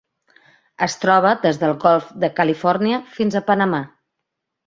Es troba des del Golf de Califòrnia fins a Panamà.